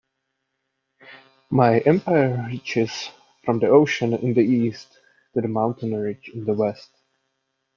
My empire reaches from the ocean in the East to the mountain ridge in the West.